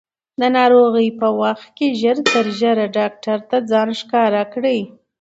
د ناروغۍ په وخت کې ژر تر ژره ډاکټر ته ځان ښکاره کړئ.